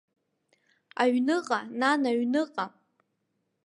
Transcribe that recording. Аҩныҟа, нан, аҩныҟа!